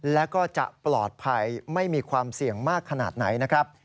และก็จะปลอดภัยไม่มีความเสี่ยงมากขนาดไหน